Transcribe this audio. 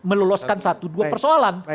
meloloskan satu dua persoalan